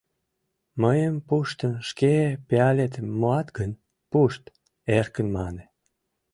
Мыйым пуштын шке пиалетым муат гын, пушт, — эркын мане.